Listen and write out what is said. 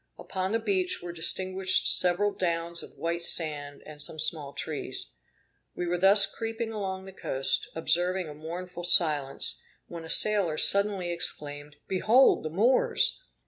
Upon the beach were distinguished several downs of white sand and some small trees. We were thus creeping along the coast, observing a mournful silence, when a sailor suddenly exclaimed, behold the Moors!